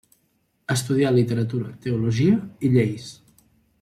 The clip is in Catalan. Estudià literatura, teologia, i lleis.